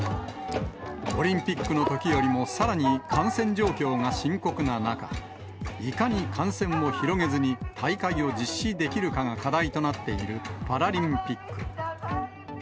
オリンピックのときよりもさらに感染状況が深刻な中、いかに感染を広げずに大会を実施できるかが課題となっているパラリンピック。